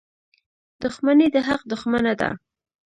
• دښمني د حق دښمنه ده.